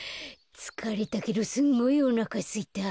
つかれたけどすんごいおなかすいた。